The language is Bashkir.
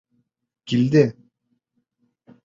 Килде!